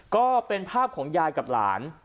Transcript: ก็เป็นภาพของยายกับหลาน